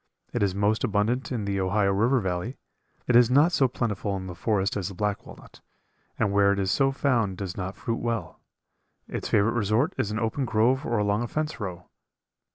It is most abundant in the Ohio River Valley. It is not so plentiful in the forest as the black walnut, and where it is so found does not fruit well. Its favorite resort is an open grove or along a fence row.